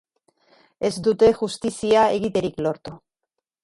Ez dute justizia egiterik lortu.